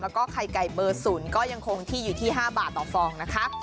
แล้วก็ไข่ไก่เบอร์๐ก็ยังคงที่อยู่ที่๕บาทต่อฟองนะคะ